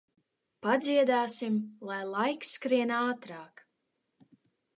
Padziedāsim, lai laiks skrien ātrāk.